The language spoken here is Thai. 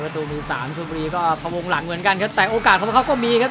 ตูมือสามชนบุรีก็พวงหลังเหมือนกันครับแต่โอกาสของพวกเขาก็มีครับ